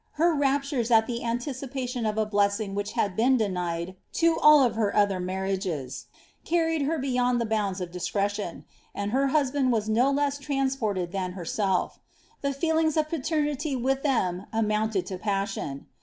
Ilef raptures at the anticipation of a blessing which had been denied to all her other marriages, carried her beyond the bounds of discretion, and her husbami was no less transported than herself; the feelings of paiei^ nity with them amounted to passion.